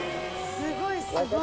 すごいすごい！